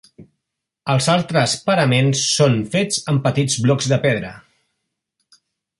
Els altres paraments són fets amb petits blocs de pedra.